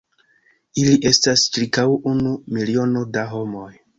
Ili estas ĉirkaŭ unu miliono da homoj.